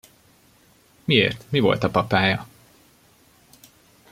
Miért, mi volt a papája?